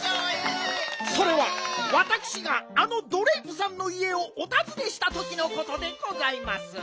それはわたくしがあのドレープさんのいえをおたずねしたときのことでございます。